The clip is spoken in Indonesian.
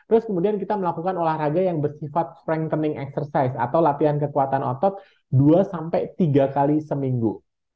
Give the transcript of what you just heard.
terus kemudian kita melakukan olahraga yang bersifat strengthening exercise atau latihan kekuatan otot dua sampai tiga kali seminggu